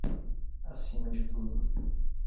Acima de tudo